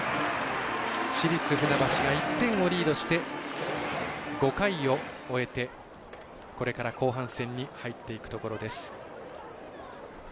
市立船橋が１点をリードして５回を終えてこれから後半戦に入っていくところです。